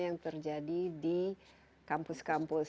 yang terjadi di kampus kampus